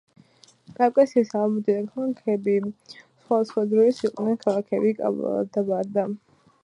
კავკასიის ალბანეთის დედაქალაქები სხვადასხვა დროს იყვნენ ქალაქები კაბალა და ბარდა.